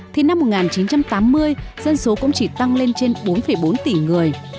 thì năm một nghìn chín trăm tám mươi dân số cũng chỉ tăng lên trên bốn bốn tỷ người